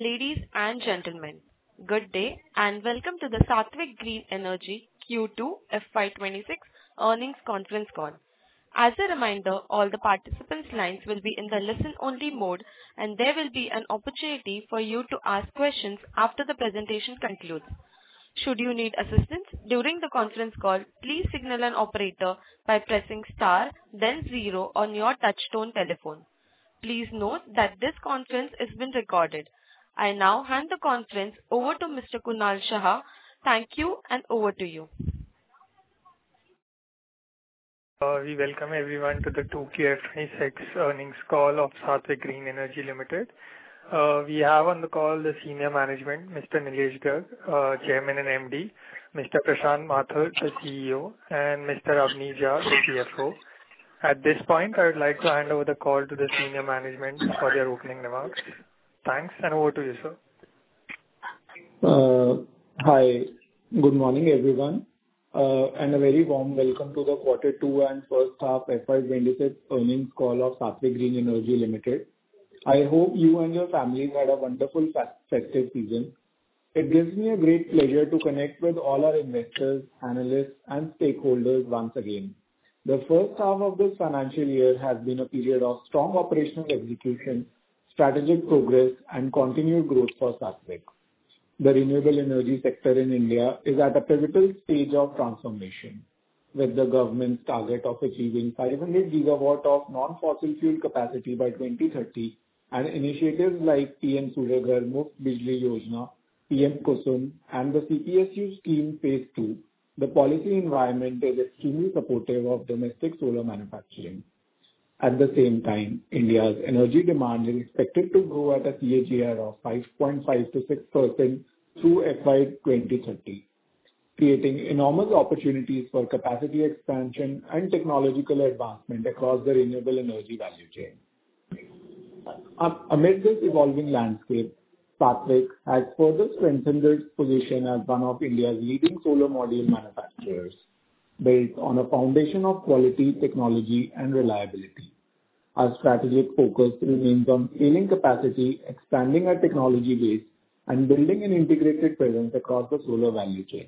Ladies and gentlemen, good day, and welcome to the Saatvik Green Energy Q2 FY 2026 earnings conference call. As a reminder, all the participants' lines will be in the listen-only mode, and there will be an opportunity for you to ask questions after the presentation concludes. Should you need assistance during the conference call, please signal an operator by pressing Star, then zero on your touchtone telephone. Please note that this conference is being recorded. I now hand the conference over to Mr. Kunal Shah. Thank you, and over to you. We welcome everyone to the 2Q FY26 earnings call of Saatvik Green Energy Limited. We have on the call the senior management, Mr. Neelesh Garg, Chairman and MD, Mr. Prashant Mathur, the CEO, and Mr. Abani Jha, the CFO. At this point, I would like to hand over the call to the senior management for their opening remarks. Thanks, and over to you, sir. Hi. Good morning, everyone, and a very warm welcome to the quarter two and first half FY 2026 earnings call of Saatvik Green Energy Limited. I hope you and your family had a wonderful festive season. It gives me a great pleasure to connect with all our investors, analysts, and stakeholders once again. The first half of this financial year has been a period of strong operational execution, strategic progress, and continued growth for Saatvik. The renewable energy sector in India is at a pivotal stage of transformation, with the government's target of achieving 500GW of non-fossil fuel capacity by 2030, and initiatives like PM Surya Ghar Muft Bijli Yojana, PM KUSUM, and the CPSU Scheme Phase II. The policy environment is extremely supportive of domestic solar manufacturing. At the same time, India's energy demand is expected to grow at a CAGR of 5.5%-6% through FY 2030, creating enormous opportunities for capacity expansion and technological advancement across the renewable energy value chain. Amid this evolving landscape, Saatvik has further strengthened its position as one of India's leading solar module manufacturers, based on a foundation of quality, technology, and reliability. Our strategic focus remains on scaling capacity, expanding our technology base, and building an integrated presence across the solar value chain.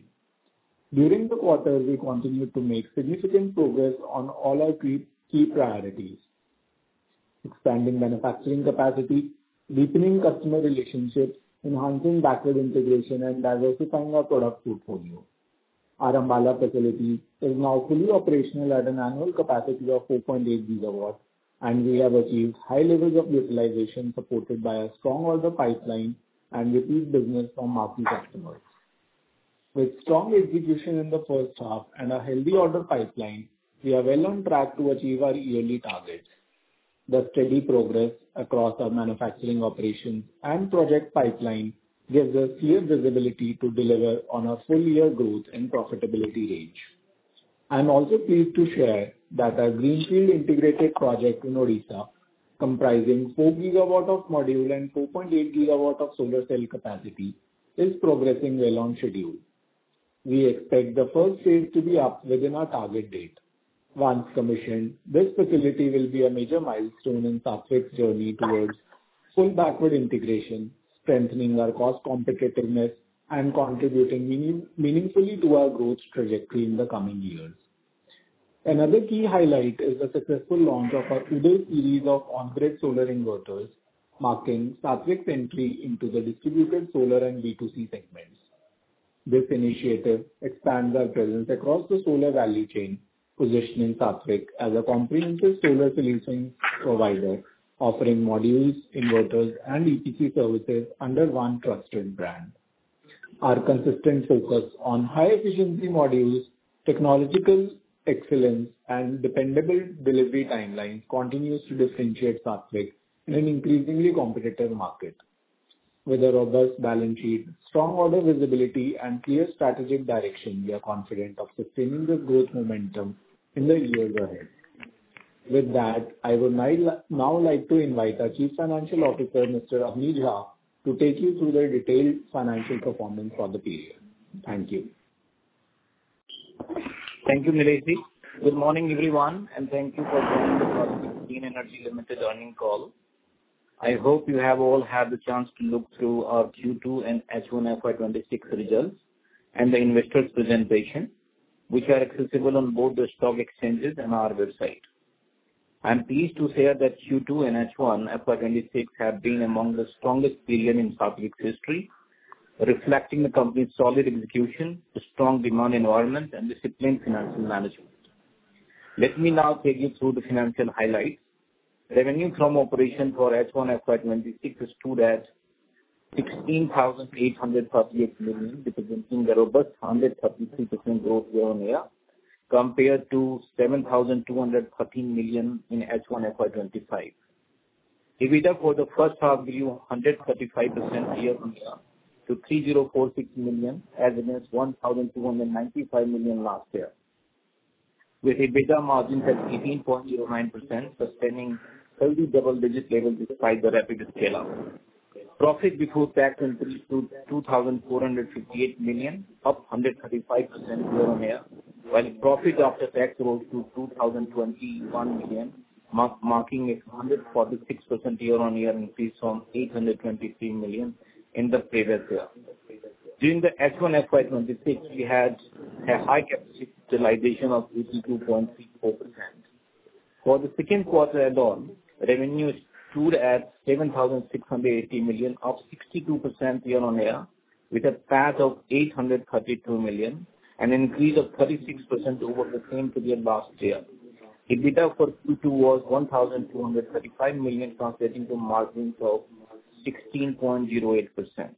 During the quarter, we continued to make significant progress on all our key priorities: expanding manufacturing capacity, deepening customer relationships, enhancing backward integration, and diversifying our product portfolio. Our Ambala facility is now fully operational at an annual capacity of 4.8GW, and we have achieved high levels of utilization, supported by a strong order pipeline and repeat business from our key customers. With strong execution in the first half and a healthy order pipeline, we are well on track to achieve our yearly targets. The steady progress across our manufacturing operation and project pipeline gives us clear visibility to deliver on our full year growth and profitability range. I'm also pleased to share that our greenfield integrated project in Odisha, comprising 4GW of module and 4.8GW of solar cell capacity, is progressing well on schedule. We expect the first phase to be up within our target date. Once commissioned, this facility will be a major milestone in Saatvik's journey towards full backward integration, strengthening our cost competitiveness, and contributing meaningfully to our growth trajectory in the coming years. Another key highlight is the successful launch of our UDAY Series of on-grid solar inverters, marking Saatvik's entry into the distributed solar and B2C segments. This initiative expands our presence across the solar value chain, positioning Saatvik as a comprehensive solar solution provider, offering modules, inverters, and EPC services under one trusted brand. Our consistent focus on high efficiency modules, technological excellence, and dependable delivery timelines continues to differentiate Saatvik in an increasingly competitive market. With a robust balance sheet, strong order visibility, and clear strategic direction, we are confident of sustaining the growth momentum in the years ahead. With that, I would now like to invite our Chief Financial Officer, Mr. Abani Jha, to take you through the detailed financial performance for the period. Thank you. Thank you, Neelesh. Good morning, everyone, and thank you for joining the Saatvik Green Energy Limited earnings call. I hope you have all had the chance to look through our Q2 and H1 FY 2026 results and the investors presentation, which are accessible on both the stock exchanges and our website. I'm pleased to share that Q2 and H1 FY 2026 have been among the strongest period in Saatvik's history, reflecting the company's solid execution, the strong demand environment, and disciplined financial management. Let me now take you through the financial highlights. Revenue from operations for H1 FY 2026 stood at 16,838 million, representing a robust 133% growth year-on-year, compared to 7,213 million in H1 FY 2025. EBITDA for the first half grew 135% year-on-year to 3,046 million, as against 1,295 million last year, with EBITDA margins at 18.09%, sustaining healthy double digits despite the rapid scale-up. Profit before tax increased to 2,458 million, up 135% year-on-year, while profit after tax rose to 2,021 million, marking a 146% year-on-year increase from 823 million in the previous year. During FY 2026, we had a high capacity utilization of 82.64%. For the second quarter at all, revenue stood at 7,680 million, up 62% year-on-year, with a PAT of 832 million, an increase of 36% over the same period last year. EBITDA for Q2 was 1,235 million, translating to a margin of 16.08%.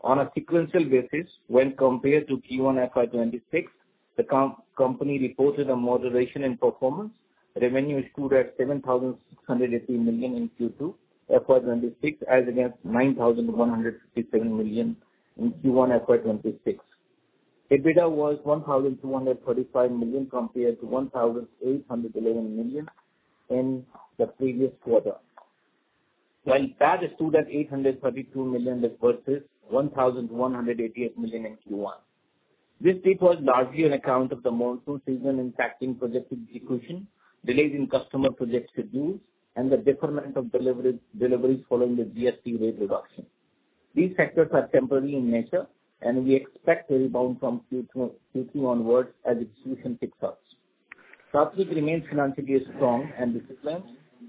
On a sequential basis, when compared to Q1 FY 2026, the company reported a moderation in performance. Revenue stood at 7,680 million in Q2 FY 2026, as against 9,157 million in Q1 FY 2026. EBITDA was 1,235 million compared to 1,811 million in the previous quarter, while PAT stood at 832 million versus 1,188 million in Q1. This decline was largely on account of the monsoon season impacting project execution, delays in customer project schedules, and the deferment of deliveries following the GST rate reduction. These factors are temporary in nature, and we expect a rebound from Q2, Q2 onwards as execution picks up. Saatvik remains financially strong and disciplined.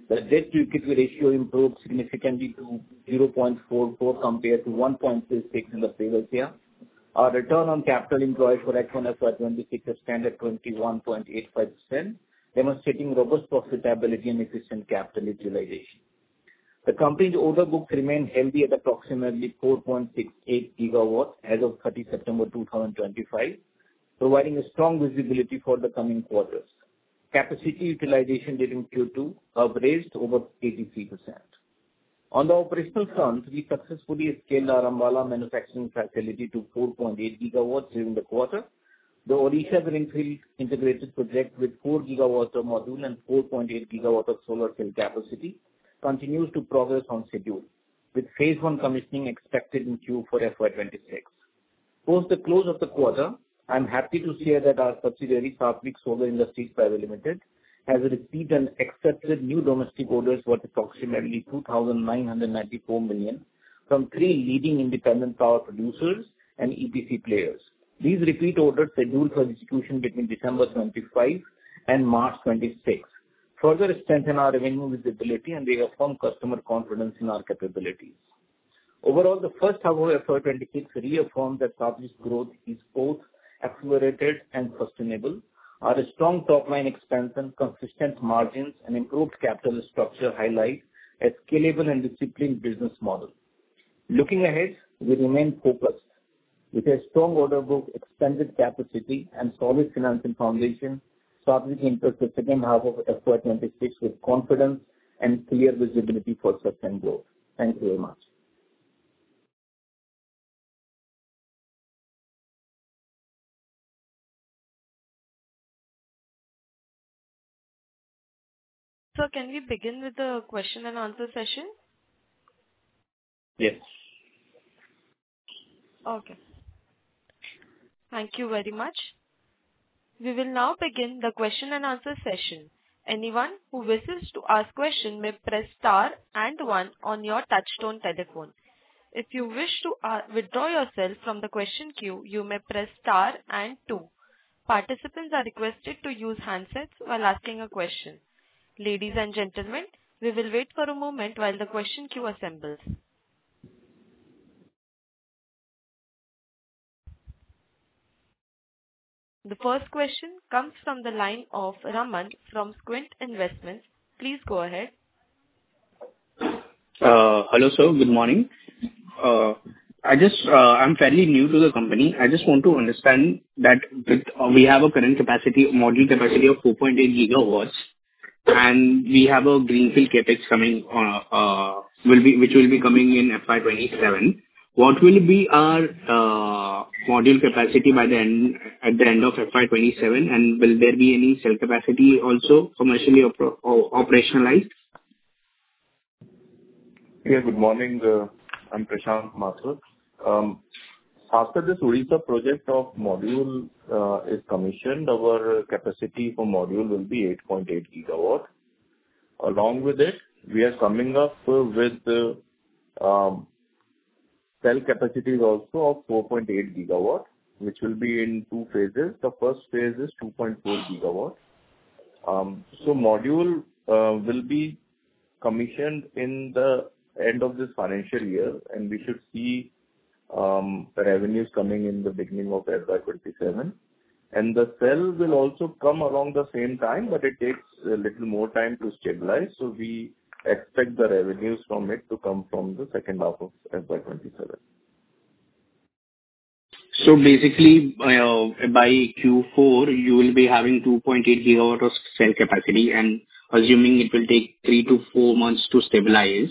The debt to equity ratio improved significantly to 0.44 compared to 1.66 in the previous year. Our return on capital employed for FY 2026 stands at 21.85%, demonstrating robust profitability and efficient capital utilization. The company's order book remains healthy at approximately 4.68GW as of 30 September 2025, providing a strong visibility for the coming quarters. Capacity utilization during Q2 averaged over 83%. On the operational front, we successfully scaled our Ambala manufacturing facility to 4.8GW during the quarter. The Odisha greenfield integrated project, with 4GW of module and 4.8GW of solar cell capacity, continues to progress on schedule, with phase one commissioning expected in Q4 FY 2026. Post the close of the quarter, I'm happy to share that our subsidiary, Saatvik Solar Industries Private Limited, has received and accepted new domestic orders worth approximately 2,994 million from three leading independent power producers and EPC players. These repeat orders, scheduled for execution between December 2025 and March 2026, further strengthen our revenue visibility and reaffirm customer confidence in our capabilities. Overall, the first half of FY 2026 reaffirmed that Saatvik's growth is both accelerated and sustainable. Our strong top-line expansion, consistent margins, and improved capital structure highlight a scalable and disciplined business model. Looking ahead, we remain focused. With a strong order book, expanded capacity, and solid financial foundation, Saatvik enters the second half of FY 2026 with confidence and clear visibility for sustained growth. Thank you very much. Can we begin with the question and answer session? Yes. Okay. Thank you very much. We will now begin the question and answer session. Anyone who wishes to ask question may press star and one on your touchtone telephone. If you wish to withdraw yourself from the question queue, you may press star and two. Participants are requested to use handsets while asking a question. Ladies and gentlemen, we will wait for a moment while the question queue assembles. The first question comes from the line of Raman from Quant Investments. Please go ahead. Hello, sir. Good morning. I'm fairly new to the company. I just want to understand that with, we have a current capacity, module capacity of 4.8GW, and we have a greenfield CapEx coming, which will be coming in FY 2027. What will be our module capacity by the end, at the end of FY 2027, and will there be any cell capacity also commercially operationalized? Yeah, good morning. I'm Prashant Mathur. After this Odisha project of module is commissioned, our capacity for module will be 8.8GW. Along with it, we are coming up with cell capacities also of 4.8GW, which will be in two phases. The first phase is 2.4GW. So module will be commissioned in the end of this financial year, and we should see revenues coming in the beginning of FY 2027. And the cell will also come along the same time, but it takes a little more time to stabilize, so we expect the revenues from it to come from the second half of FY 2027. Basically, by Q4, you will be having 2.8GW of cell capacity, and assuming it will take 3-4 months to stabilize,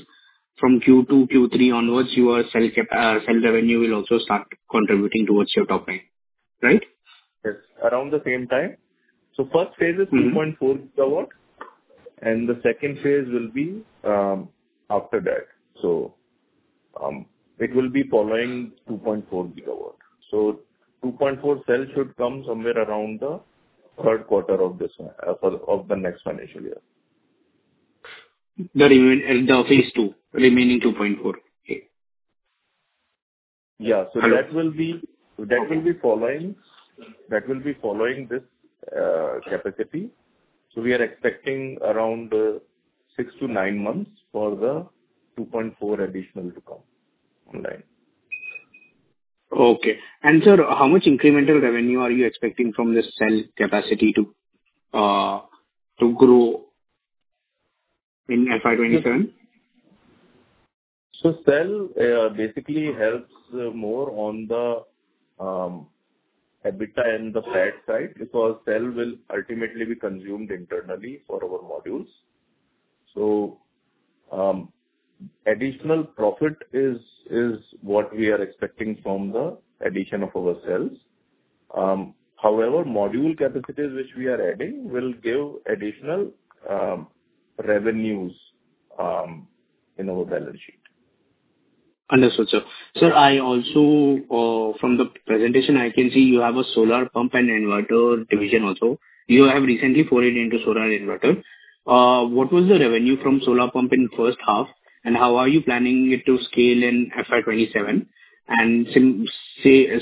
from Q2, Q3 onwards, your cell revenue will also start contributing towards your top line, right? Yes, around the same time. So first phase is 2.4GW, and the second phase will be after that. So, it will be following 2.4GW. So 2.4 cell should come somewhere around the third quarter of the next financial year. The remaining and the phase two, remaining 2.4GW? Yeah. So that will be following this capacity. So we are expecting around six to nine months for the 2.4GW additional to come online. Okay. And sir, how much incremental revenue are you expecting from this cell capacity to grow in FY 2027? So cell basically helps more on the EBITDA and the flat side, because cell will ultimately be consumed internally for our modules. So additional profit is what we are expecting from the addition of our cells. However, module capacities, which we are adding, will give additional revenues in our balance sheet. Understood, sir. Sir, I also... From the presentation, I can see you have a solar pump and inverter division also. You have recently forayed into solar inverter. What was the revenue from solar pump in first half, and how are you planning it to scale in FY 2027? And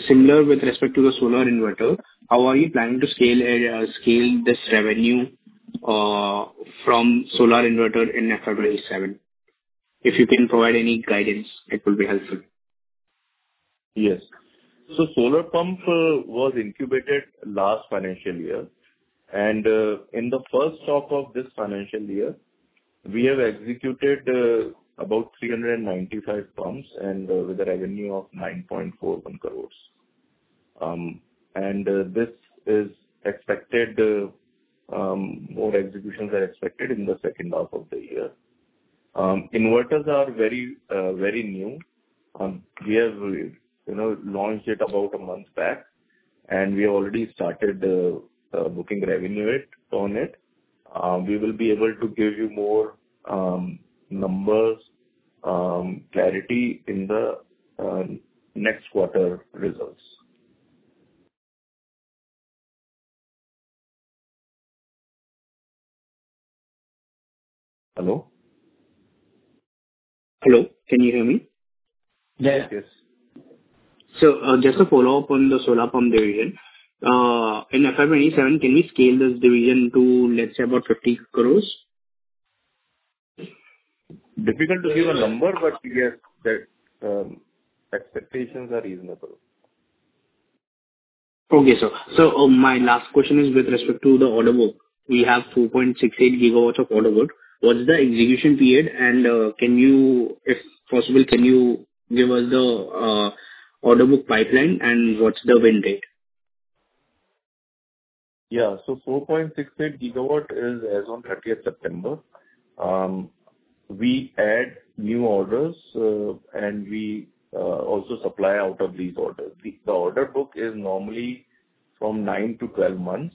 similar with respect to the solar inverter, how are you planning to scale this revenue from solar inverter in FY 2027? If you can provide any guidance, it will be helpful. Yes. So solar pump was incubated last financial year, and in the first half of this financial year, we have executed about 395 pumps and with a revenue of 9.41 crores. And this is expected more executions are expected in the second half of the year. Inverters are very very new. We have, you know, launched it about a month back, and we already started booking revenue it, on it. We will be able to give you more numbers clarity in the next quarter results. Hello, can you hear me? Yeah. Yes. Just to follow up on the solar pump division, in FY 2027, can you scale this division to, let's say, about 50 crore? Difficult to give a number, but yes, that expectations are reasonable. Okay, sir. So, my last question is with respect to the order book. We have 2.68GW of order book. What's the execution period, and, can you, if possible, can you give us the, order book pipeline and what's the wind date? Yeah. So 4.68GW is as on 30th September. We add new orders, and we also supply out of these orders. The order book is normally from 9-12 months,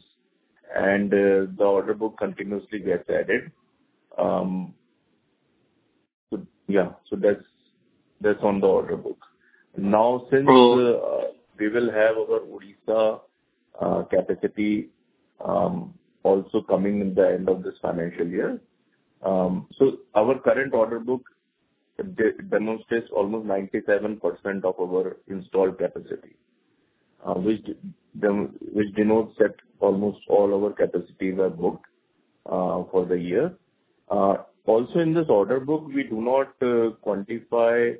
and the order book continuously gets added. So, yeah, so that's on the order book. Now, since we will have our Orissa capacity also coming in the end of this financial year. So our current order book demonstrates almost 97% of our installed capacity, which denotes that almost all our capacities are booked for the year. Also in this order book, we do not quantify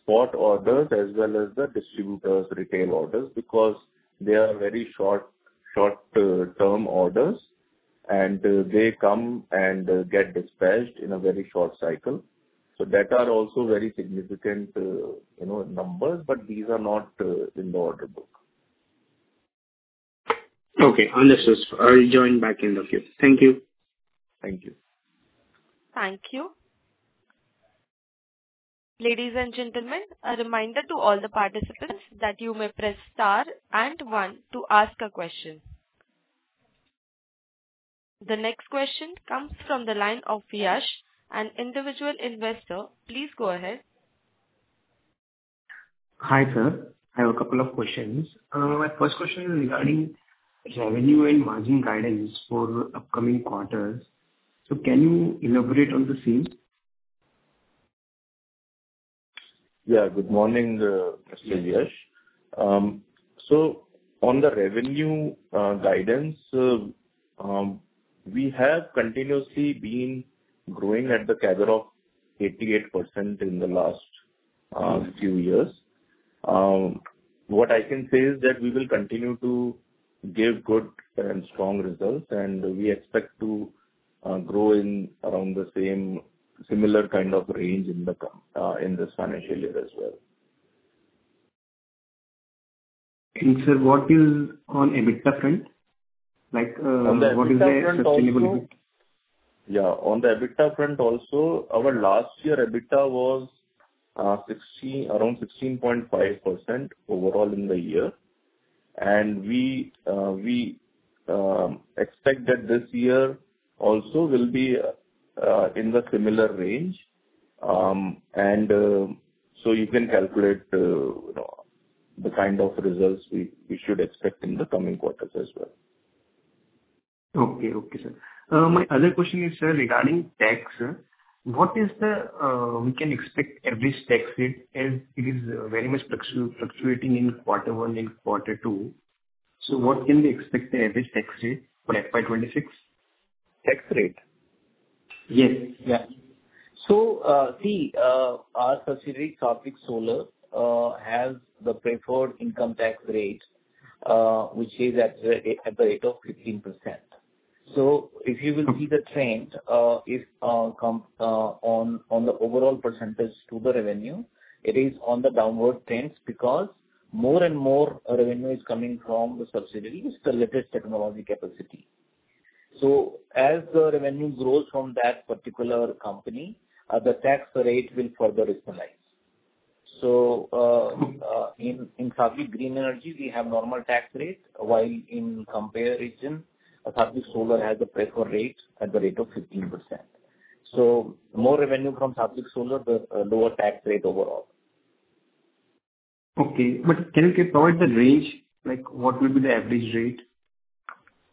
spot orders as well as the distributors' retail orders, because they are very short-term orders, and they come and get dispatched in a very short cycle. So that are also very significant, you know, numbers, but these are not in the order book. Okay, understood, sir. I'll join back end of you. Thank you. Thank you. Thank you. Ladies and gentlemen, a reminder to all the participants that you may press star and one to ask a question. The next question comes from the line of Vyas, an individual investor. Please go ahead. Hi, sir. I have a couple of questions. My first question is regarding revenue and margin guidance for upcoming quarters. So can you elaborate on the same? Yeah. Good morning, Vyas. So on the revenue guidance, we have continuously been growing at the CAGR of 88% in the last few years. What I can say is that we will continue to give good and strong results, and we expect to grow in around the same similar kind of range in the coming financial year as well. Sir, what is on EBITDA front? Like, On the EBITDA front also- What is the sustainable EBITDA? Yeah, on the EBITDA front also, our last year EBITDA was 16%, around 16.5% overall in the year. We expect that this year also will be in the similar range. So you can calculate, you know, the kind of results we should expect in the coming quarters as well. Okay, sir. My other question is, sir, regarding tax. What is the we can expect average tax rate, as it is very much fluctuating in quarter 1 and quarter 2, so what can we expect the average tax rate for FY 2026? Tax rate? Yes. Yeah. So, see, our subsidiary, Saatvik Solar, has the preferred income tax rate, which is at the rate of 15%. So if you will see the trend, if combined on the overall percentage to the revenue, it is on the downward trend, because more and more revenue is coming from the subsidiaries, the latest technology capacity. So as the revenue grows from that particular company, the tax rate will further rationalize. So, in Saatvik Green Energy, we have normal tax rates, while in comparison, Saatvik Solar has a preferred rate at the rate of 15%. So more revenue from Saatvik Solar, the lower tax rate overall. Okay, but can you provide the range, like what will be the average rate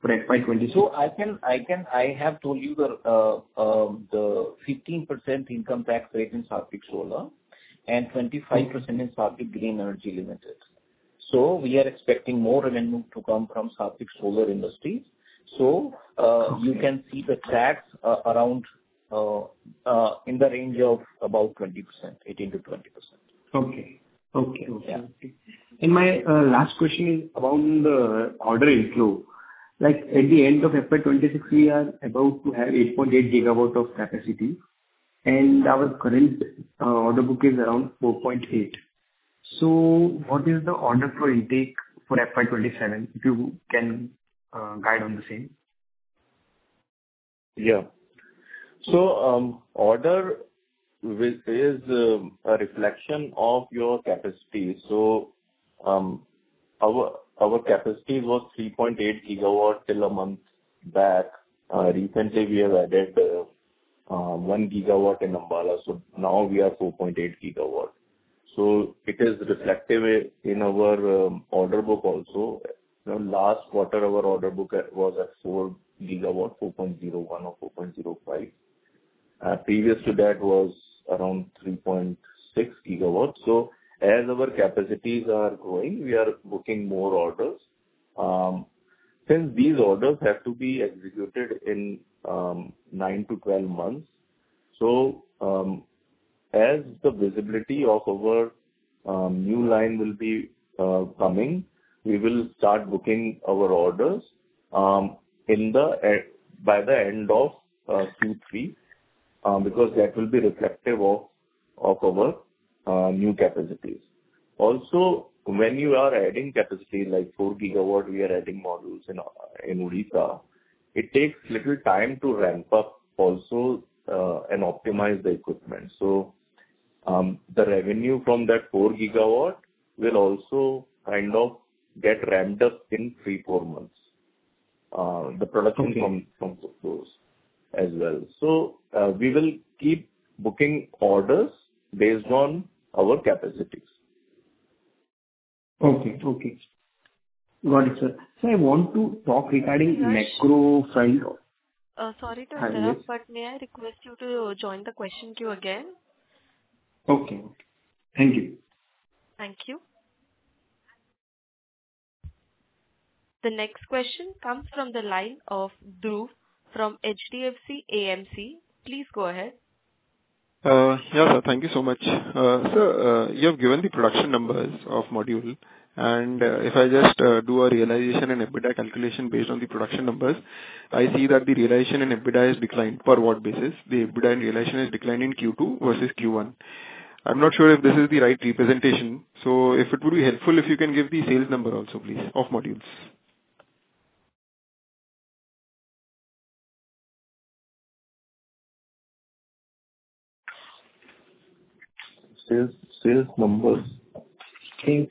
for FY 2026? So, I have told you the 15% income tax rate in Saatvik Solar and 25% in Saatvik Green Energy Limited. So we are expecting more revenue to come from Saatvik Solar Industries. You can see the tax around in the range of about 20%, 18%-20%. Okay. Yeah. My last question is around the order inflow. Like, at the end of FY 2026, we are about to have 8.8GW of capacity, and our current order book is around 4.8GW. So what is the order flow intake for FY 2027, if you can guide on the same? Yeah. So, order book is a reflection of your capacity. So, our capacity was 3.8GW till a month back. Recently, we have added 1 gigawatt in Ambala, so now we are 4.8GW. So it is reflective in our order book also. The last quarter, our order book was at 4GW, 4.01GWGW or 4.05. Previous to that was around 3.6GW. So as our capacities are growing, we are booking more orders. Since these orders have to be executed in 9 to 12 months, so, as the visibility of our new line will be coming, we will start booking our orders in the end, by the end of Q3, because that will be reflective of our new capacities. Also, when you are adding capacity, like 4GW, we are adding modules in Odisha, it takes little time to ramp up also, and optimize the equipment. So, the revenue from that 4GW will also kind of get ramped up in 3-4 months, the production coming from those as well. So, we will keep booking orders based on our capacities. Okay. Got it, sir. Sir, I want to talk regarding macro file- Sorry to interrupt may I request you to join the question queue again? Okay, thank you. Thank you. The next question comes from the line of Dhruv from HDFC AMC. Please go ahead. Yeah, sir, thank you so much. Sir, you have given the production numbers of module, and, if I just, do a realization and EBITDA calculation based on the production numbers, I see that the realization and EBITDA has declined per watt basis. The EBITDA and realization has declined in Q2 versus Q1. I'm not sure if this is the right representation, so if it would be helpful, if you can give the sales number also, please, of modules. Sales, sales numbers. Yeah,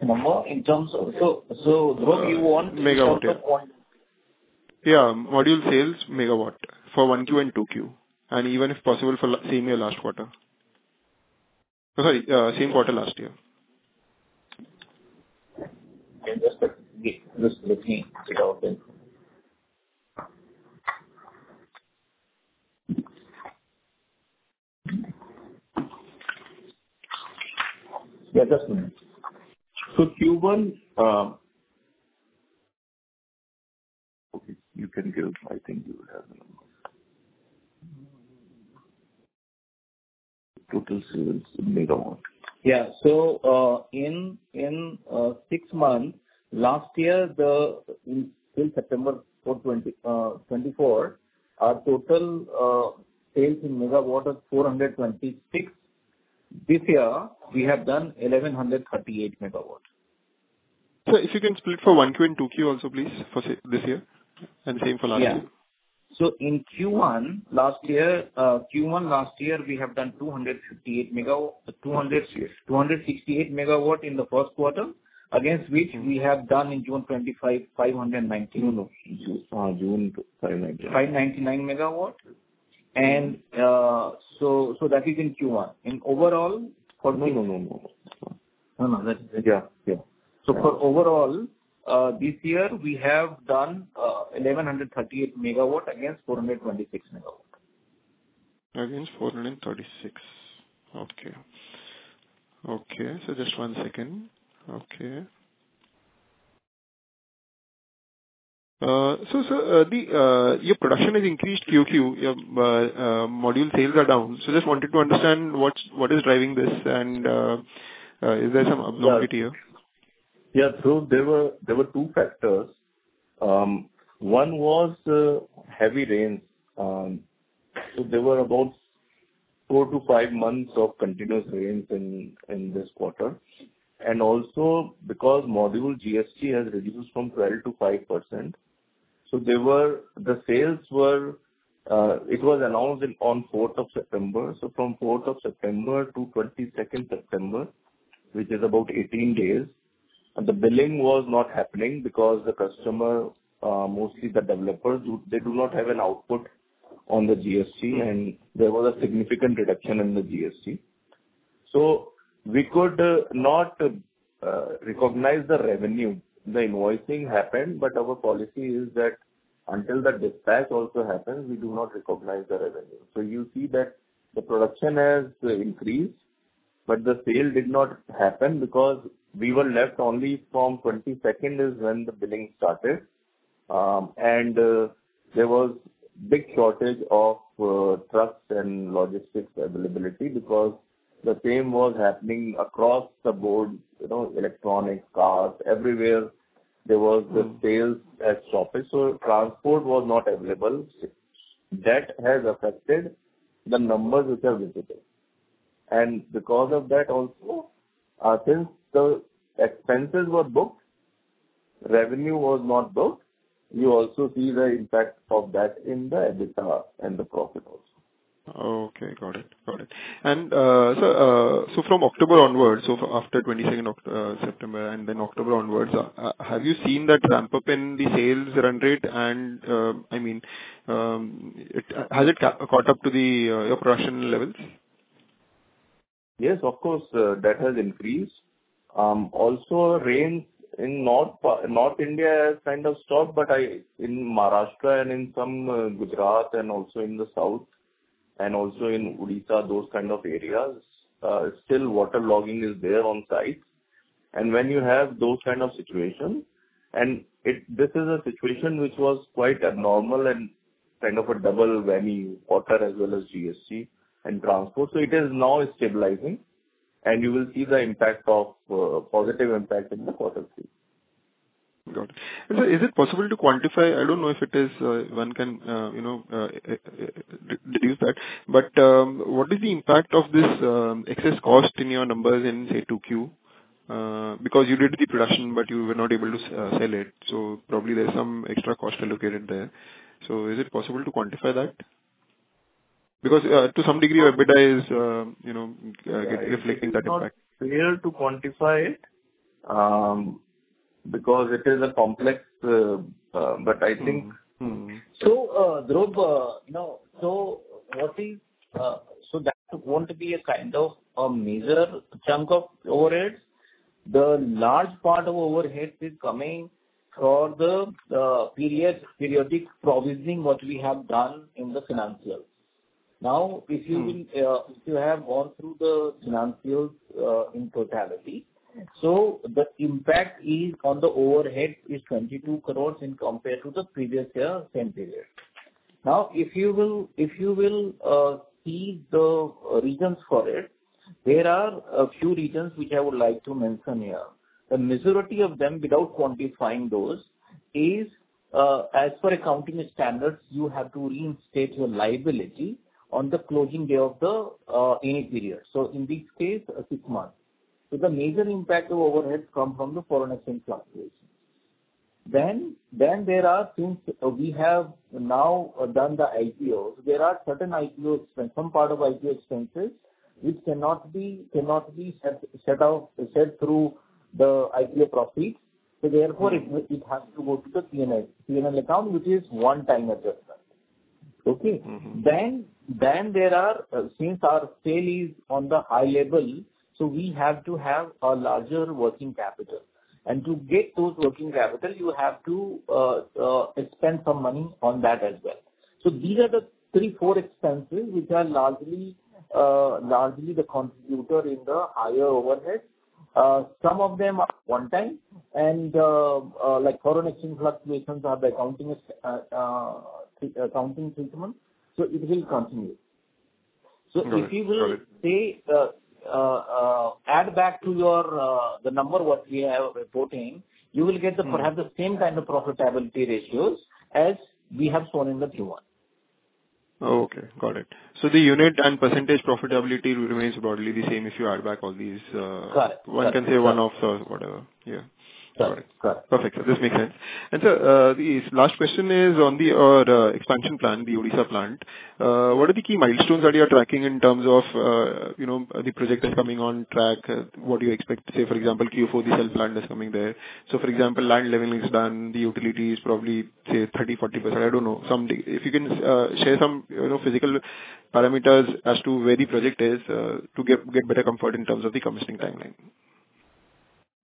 module sales megawatt for 1Q and 2Q, and even if possible, for same year, last quarter. Sorry, same quarter, last year. Just looking it out then. Yeah, just a minute. So Q1. Okay, you can give. I think you have the numbers. Total sales megawatt. Yeah. In six months last year till September 2024, our total sales in megawatt was 426MW. This year, we have done 1,138MW. Sir, if you can split for 1Q and 2Q also, please, for this year, and same for last year Yeah. So in Q1 last year, we have done 268MW in the first quarter, against which we have done in June 25, 599MW. And, so that is in Q1. And overall, for- So for overall, this year we have done 1,138MW against 426MW. Against 436MW. Okay, so just one second. Okay. So, sir, the, your production has increased QOQ, your, module sales are down. So just wanted to understand what is driving this, and, is there some abnormality here? Yeah. So there were, there were two factors. One was heavy rain. So there were about 4-5 months of continuous rains in this quarter, and also because module GST has reduced from 12%-5%. So there were... The sales were, it was announced in, on fourth of September. So from fourth of September to twenty-second September, which is about 18 days, the billing was not happening because the customer, mostly the developers, they do not have an output on the GST, and there was a significant reduction in the GST. So we could not recognize the revenue. The invoicing happened, but our policy is that until the dispatch also happens, we do not recognize the revenue. So you see that the production has increased, but the sale did not happen because we were left only from 22nd, is when the billing started. And there was big shortage of trucks and logistics availability because the same was happening across the board, you know, electronics, cars. Everywhere, there was the sales had stopped, so transport was not available. That has affected the numbers which are visible. And because of that also, since the expenses were booked, revenue was not booked, you also see the impact of that in the EBITDA and the profit also. Okay, got it. And so from October onwards, so after 22nd September, and then October onwards, have you seen that ramp up in the sales run rate? And I mean, has it caught up to your production levels? Yes, of course, that has increased. Also, rains in North India has kind of stopped, but in Maharashtra and in some Gujarat, and also in the South, and also in Odisha, those kind of areas, still waterlogging is there on site. And when you have those kind of situations, this is a situation which was quite abnormal and kind of a double whammy quarter as well as GST and transport. So it is now stabilizing, and you will see the impact of positive impact in the quarter three. Got it. And sir, is it possible to quantify? I don't know if it is, one can, you know, deduce that, but, what is the impact of this, excess cost in your numbers in, say, 2Q? Because you did the production, but you were not able to, sell it, so probably there's some extra cost allocated there. So is it possible to quantify that? Because, to some degree, EBITDA is, you know, reflecting that impact. It's not fair to quantify it, because it is a complex, but I think Dhruv, Rathi, so that won't be a kind of a major chunk of overheads. The large part of overheads is coming from the periodic provisioning what we have done in the financials. Now, if you have gone through the financials in totality, so the impact on the overhead is 22 crore compared to the previous year, same period. Now, if you see the reasons for it, there are a few reasons which I would like to mention here. The majority of them, without quantifying those, is as per accounting standards, you have to reinstate your liability on the closing day of any period, so in this case, six months. So the major impact of overheads come from the foreign exchange fluctuations. Then there are things, we have now done the IPOs. There are certain IPO expenses, some part of IPO expenses, which cannot be set off through the IPO profits, so therefore it, it has to go to the P&L, P&L account, which is one-time adjustment. Okay? Then there are, since our sales are on the high level, so we have to have a larger working capital. And to get those working capital, you have to expend some money on that as well. So these are the three, four expenses which are largely the contributor in the higher overheads. Some of them are one time, and like foreign exchange fluctuations are the accounting treatment, so it will continue. Got it. So if you will say, add back to your, the number what we are reporting, you will get perhaps the same kind of profitability ratios as we have shown in the Q1. Okay, got it. So the unit and percentage profitability remains broadly the same if you add back all these, Correct. One can say one-off or whatever. Yeah. Correct. Perfect, sir. This makes sense. And sir, the last question is on the expansion plan, the Odisha plant. What are the key milestones that you are tracking in terms of, you know, the project is coming on track, what do you expect? Say, for example, Q4, the cell plant is coming there. So for example, land leveling is done, the utility is probably, say, 30%, 40%, I don't know. Something. If you can share some, you know, physical parameters as to where the project is to get better comfort in terms of the commissioning timeline.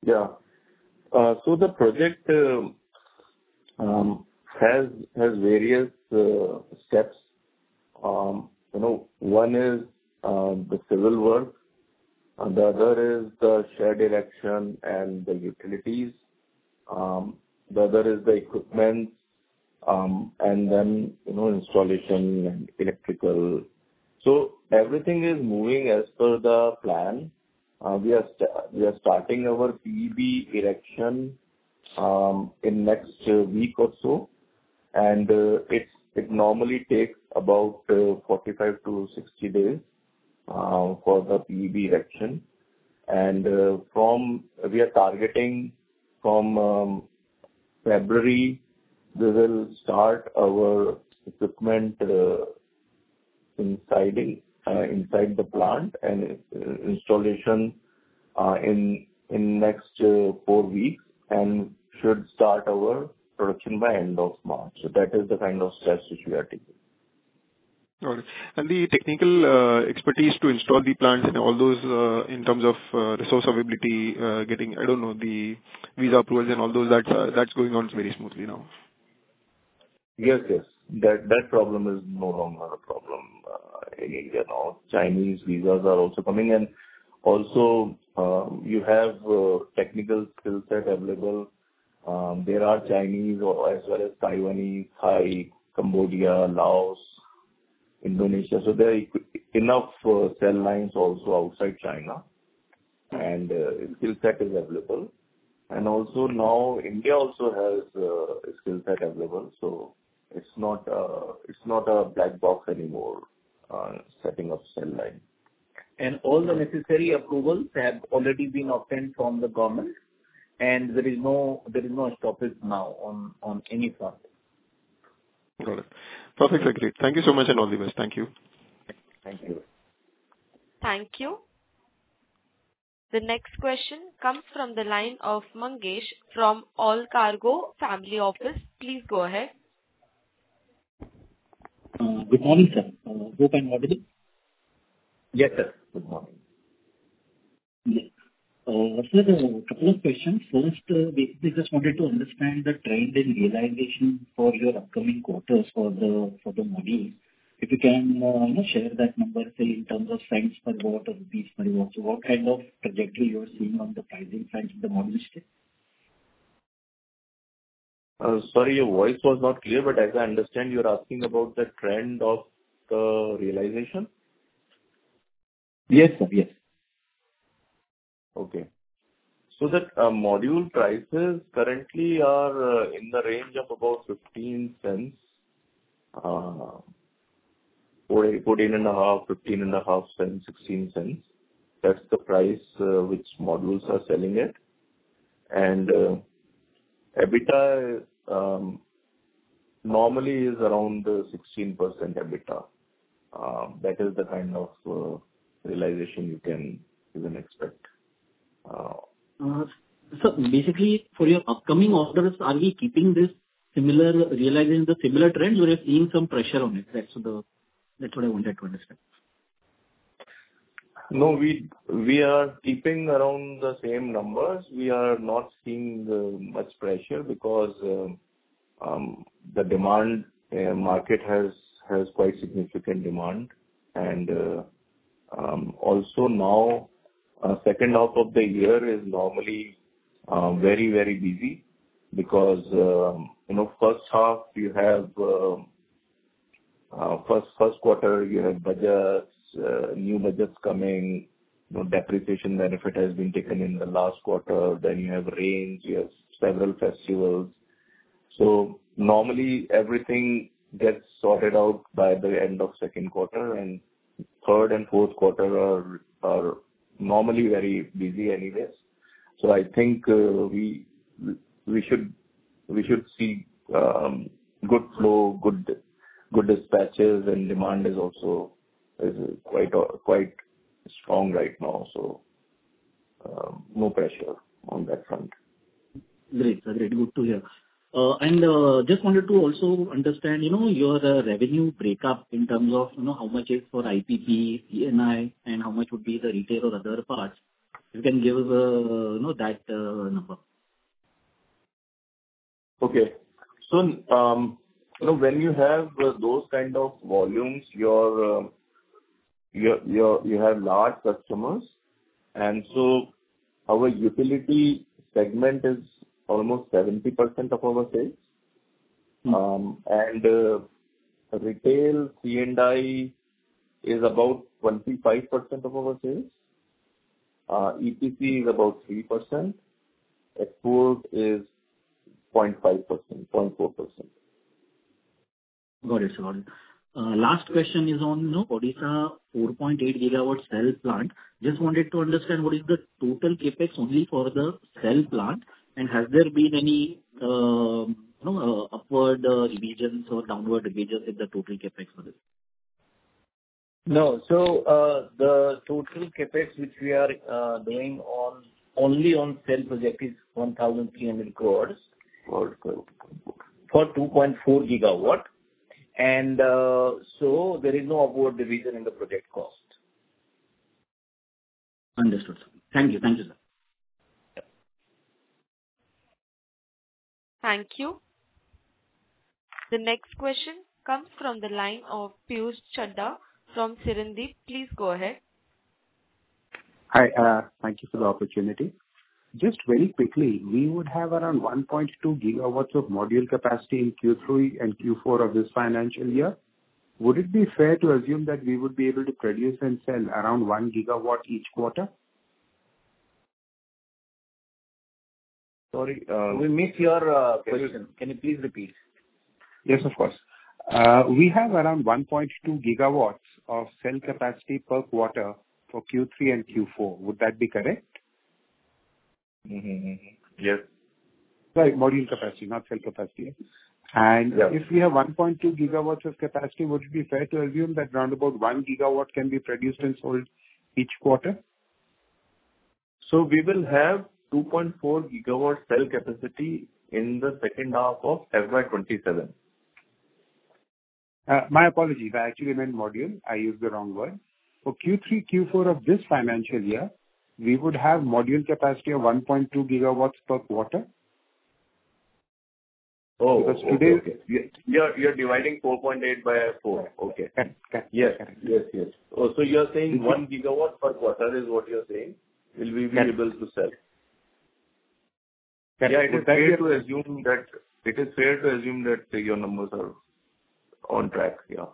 Yeah. So the project has various steps. You know, one is the civil work, and the other is the shared erection and the utilities. The other is the equipment, and then, you know, installation and electrical. So everything is moving as per the plan. We are starting our PEB erection in next week or so, and it normally takes about 45-60 days for the PEB erection. And from we are targeting from February, we will start our equipment inside the plant and installation in next 4 weeks, and should start our production by end of March. So that is the kind of steps which we are taking. Got it. And the technical expertise to install the plant and all those, in terms of resource availability, getting, I don't know, the visa approvals and all those, that's that's going on very smoothly now? Yes, yes. That, that problem is no longer a problem in India. Now, Chinese visas are also coming in. Also, you have technical skill set available. There are Chinese as well as Taiwanese, Thai, Cambodia, Laos, Indonesia. So there are enough cell lines also outside China, and skill set is available. And also now India also has a skill set available, so it's not a black box anymore setting up cell line. All the necessary approvals have already been obtained from the government, and there is no stoppage now on any front. Got it. Perfect, great. Thank you so much, and all the best. Thank you. Thank you. Thank you. The next question comes from the line of Mangesh from Allcargo Family Office. Please go ahead. Good morning, sir. Hope I'm audible. Yes, sir. Good morning. Sir, a couple of questions. First, we just wanted to understand the trend in realization for your upcoming quarters for the module. If you can, you know, share that number, say, in terms of cents per watt or Rs per watt. So what kind of trajectory you are seeing on the pricing front in the module space? Sorry, your voice was not clear, but as I understand, you're asking about the trend of the realization? Yes. Okay. So the module prices currently are in the range of about $0.15, $0.145, $0.155, $0.16. That's the price which modules are selling at. And EBITDA normally is around 16% EBITDA. That is the kind of realization you can even expect. Sir, basically, for your upcoming orders, are we keeping this similar, realizing the similar trend, or you're seeing some pressure on it? That's the, that's what I wanted to understand. No, we are keeping around the same numbers. We are not seeing much pressure because the demand market has quite significant demand. And also now second half of the year is normally very busy because you know, first half you have first quarter, you have budgets new budgets coming. Your depreciation benefit has been taken in the last quarter. Then you have rains, you have several festivals. So normally everything gets sorted out by the end of second quarter, and third and fourth quarter are normally very busy anyways. So I think we should see good flow, good dispatches, and demand is also quite strong right now, so no pressure on that front. Great, sir. Great. Good to hear. And, just wanted to also understand, you know, your revenue breakup in terms of, you know, how much is for IPP, C&I, and how much would be the retail or other parts. You can give us, you know, that number. Okay. So, you know, when you have those kind of volumes, you have large customers. And so our utility segment is almost 70% of our sales. Retail C&I is about 25% of our sales. EPC is about 3%. Exports is 0.5%, 0.4%. Got it, sir. Last question is on, you know, Odisha 4.8 gigawatt cell plant. Just wanted to understand, what is the total CapEx only for the cell plant, and has there been any, you know, upward revisions or downward revisions in the total CapEx for this? No. The total CapEx, which we are doing only on cell project, is 1,300 crore for 2.4 GW, and so there is no upward division in the project cost. Understood, sir. Thank you. Thank you, sir. Thank you. The next question comes from the line of Piyush Chadha from Cirdeep. Please go ahead. Hi, thank you for the opportunity. Just very quickly, we would have around 1.2GW of module capacity in Q3 and Q4 of this financial year. Would it be fair to assume that we would be able to produce and sell around 1GW each quarter? Sorry, we missed your question. Can you please repeat? Yes, of course. We have around 1.2GW of cell capacity per quarter for Q3 and Q4. Would that be correct? Yes. Right. Module capacity, not cell capacity. If we have 1.2GW of capacity, would it be fair to assume that round about 1 gigawatt can be produced and sold each quarter? We will have 2.4GW cell capacity in the second half of FY 2027. My apologies. I actually meant module. I used the wrong word. For Q3, Q4 of this financial year, we would have module capacity of 1.2GW per quarter? Oh, okay. You're dividing 4.8 by 4. Okay. Correct. Yes. Yes, yes. Oh, so you're saying one gigawatt per quarter, is what you're saying, will be able to sell? Yeah, it is fair to assume that your numbers are on track, yeah.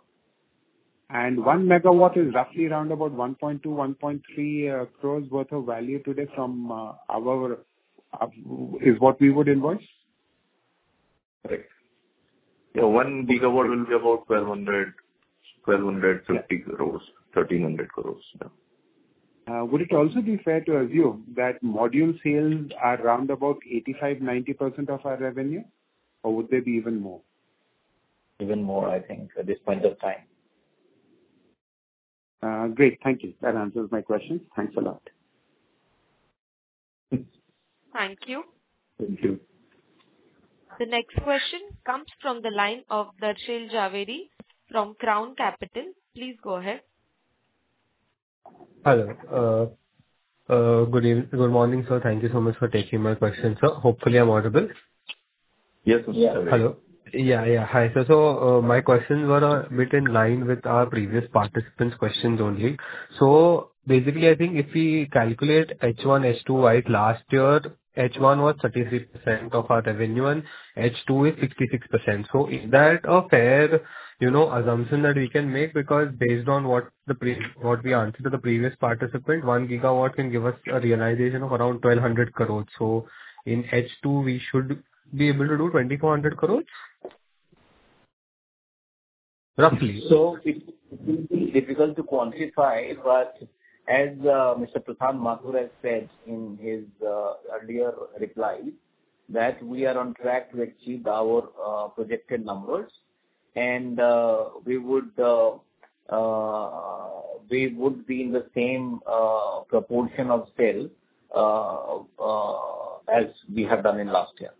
1MW is roughly around about 1.2-1.3 crore worth of value today from our. Is what we would invoice? Correct. Yeah, 1GW will be about 1,200, 1,250 crores, 1,300 crores, yeah. Would it also be fair to assume that module sales are around about 85%-90% of our revenue, or would they be even more? Even more, I think, at this point of time. Great. Thank you. That answers my question. Thanks a lot. Thank you. Thank you. The next question comes from the line of Darshil Jhaveri from Crown Capital. Please go ahead. Hello. Good morning, sir. Thank you so much for taking my question, sir. Hopefully, I'm audible. Yes. Hello? Yeah, yeah. Hi, sir. So, my questions were a bit in line with our previous participants' questions only. So basically, I think if we calculate H1, H2, right? Last year, H1 was 38% of our revenue, and H2 is 66%. So is that a fair, you know, assumption that we can make? Because based on what we answered to the previous participant, 1GW can give us a realization of around 1,200 crore. So in H2, we should be able to do 2,400 crore? Roughly. So it will be difficult to quantify, but as Mr. Prashant Mathur has said in his earlier reply, that we are on track to achieve our projected numbers, and we would be in the same proportion of sale as we have done in last year.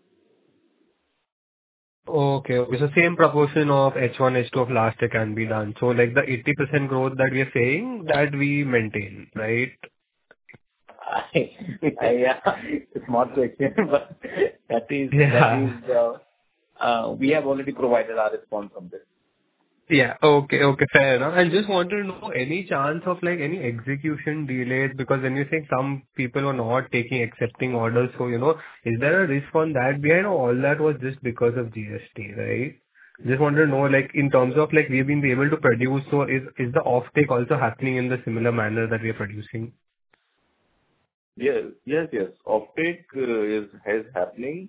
Okay. So same proportion of H1, H2 of last year can be done. So, like, the 80% growth that we are saying, that we maintain, right? Yeah, it's not correct, but that is that is, we have already provided our response on this. Yeah. Okay, fair enough. I just want to know, any chance of, like, any execution delays? Because when you say some people are not taking accepting orders, so, you know, is there a risk on that? We know all that was just because of GST, right? Just wanted to know, like, in terms of, like, we've been able to produce, so is, is the offtake also happening in the similar manner that we are producing? Yes. Yes, yes. Offtake is happening.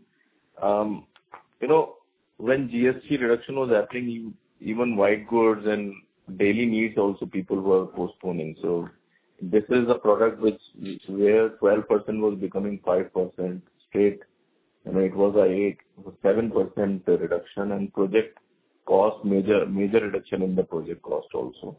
You know, when GST reduction was happening, even white goods and daily needs also, people were postponing. So this is a product where 12% was becoming 5% straight, and it was an 8.7% reduction, and major reduction in the project cost also.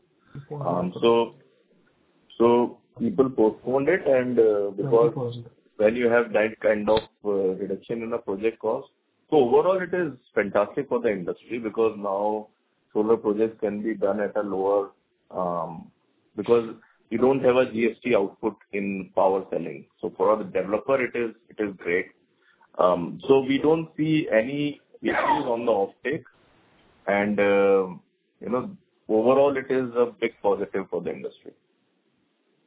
So people postponed it, and because when you have that kind of reduction in the project cost, so overall, it is fantastic for the industry, because now solar projects can be done at a lower. Because you don't have a GST output in power selling. So for the developer, it is, it is great. So we don't see any issues on the offtake, and you know, overall, it is a big positive for the industry.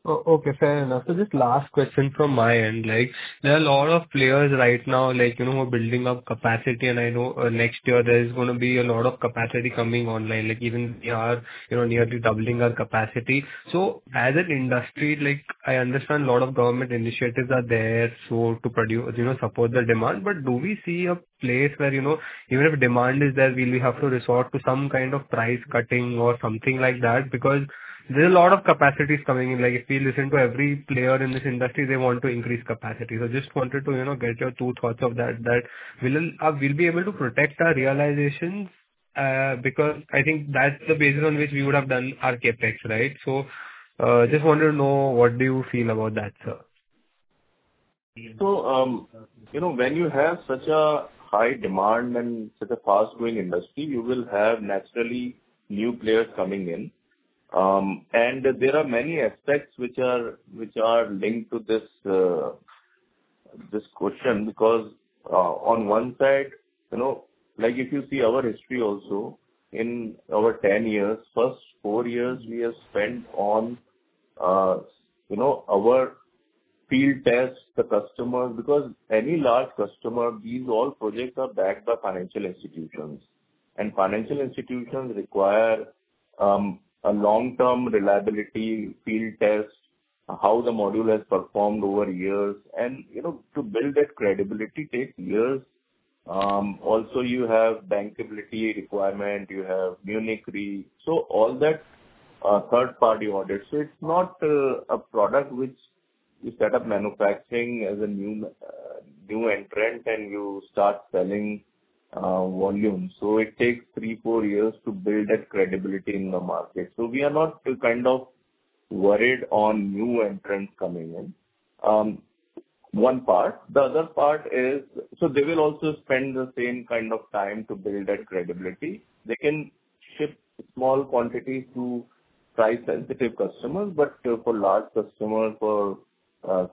Okay, fair enough. So just last question from my end, like, there are a lot of players right now, like, you know, building up capacity, and I know, next year there is gonna be a lot of capacity coming online, like, even you are, you know, nearly doubling our capacity. So as an industry, like, I understand a lot of government initiatives are there, so to produce, you know, support the demand. But do we see a place where, you know, even if demand is there, will we have to resort to some kind of price cutting or something like that? Because there's a lot of capacities coming in, like, if we listen to every player in this industry, they want to increase capacity. So just wanted to, you know, get your two thoughts on that, we'll be able to protect our realizations, because I think that's the basis on which we would have done our CapEx, right? So, just wanted to know, what do you feel about that, sir? So, you know, when you have such a high demand and such a fast-growing industry, you will have naturally new players coming in. And there are many aspects which are, which are linked to this, this question. Because, on one side, you know, like if you see our history also, in our 10 years, first four years we have spent on, you know, our field tests, the customers. Because any large customer, these all projects are backed by financial institutions, and financial institutions require, a long-term reliability field test, how the module has performed over years. And, you know, to build that credibility takes years. Also, you have bankability requirement, you have Munich Re. So all that are third-party audits. So it's not a product which you set up manufacturing as a new entrant and you start selling volume. So it takes 3-4 years to build that credibility in the market. So we are not kind of worried on new entrants coming in. One part. The other part is, so they will also spend the same kind of time to build that credibility. They can ship small quantities to price-sensitive customers, but for large customers, for